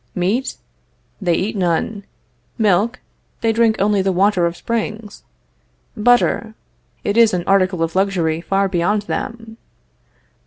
Meat? They eat none. Milk? They drink only the water of springs. Butter? It is an article of luxury far beyond them.